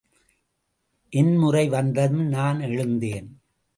என் முறை வந்ததும் நான் எழுந்தேன்.